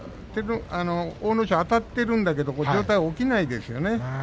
阿武咲はあたっているんだけれども上体が起きないですね。